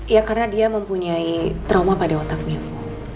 ya karena dia mempunyai trauma pada otaknya